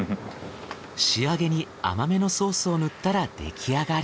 仕上げに甘めのソースを塗ったら出来上がり。